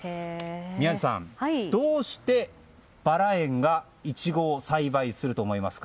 宮司さん、どうしてバラ園がイチゴを栽培すると思いますか？